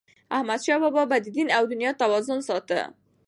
احمدشاه بابا به د دین او دنیا توازن ساته.